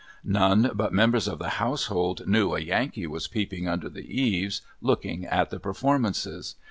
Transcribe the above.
None but members of the household knew a Yankee was peeping under the eaves, looking at the performances.